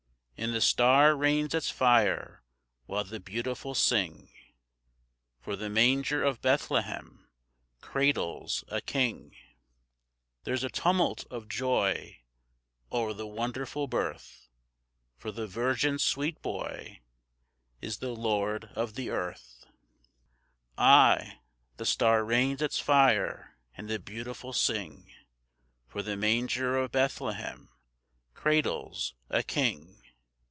And the star rains its fire while the Beautiful sing, For the manger of Bethlehem cradles a king. There's a tumult of joy O'er the wonderful birth, For the virgin's sweet boy Is the Lord of the earth, Ay! the star rains its fire and the Beautiful sing, For the manger of Bethlehem cradles a king.